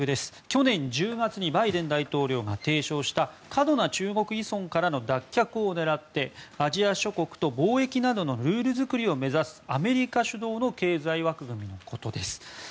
去年１０月にバイデン大統領が提唱した過度な中国依存からの脱却を狙ってアジア諸国と貿易などのルール作りを目指すアメリカ主導の経済枠組みのことです。